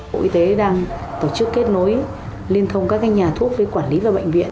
bộ y tế đang tổ chức kết nối liên thông các nhà thuốc với quản lý và bệnh viện